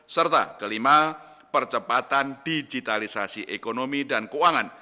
serta kelima percepatan digitalisasi ekonomi dan keuangan